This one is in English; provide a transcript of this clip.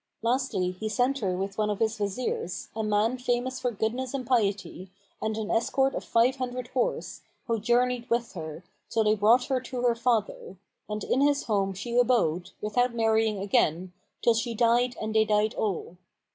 Lastly he sent with her one of his Wazirs, a man famous for goodness and piety, and an escort of five hundred horse, who journeyed with her, till they brought her to her father; and in his home she abode, without marrying again, till she died and they died all.